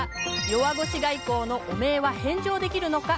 弱腰外交の汚名は返上できるのか。